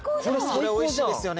これおいしいですよね。